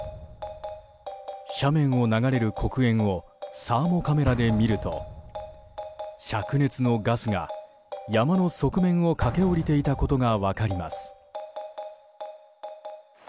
斜面を流れる黒煙をサーモカメラで見ると灼熱のガスが山の側面を駆け下りていたことが分かります。